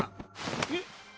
えっ？